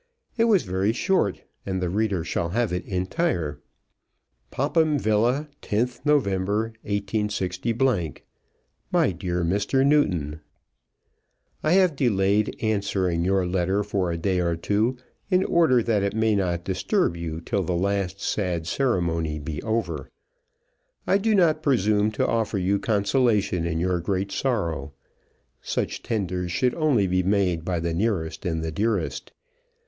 It was very short, and the reader shall have it entire. Popham Villa, 10th November, 186 . MY DEAR MR. NEWTON, I have delayed answering your letter for a day or two in order that it may not disturb you till the last sad ceremony be over. I do not presume to offer you consolation in your great sorrow. Such tenders should only be made by the nearest and the dearest.